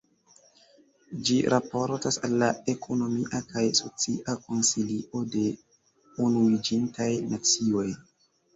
Ĝi raportas al la Ekonomia kaj Socia Konsilio de Unuiĝintaj Nacioj.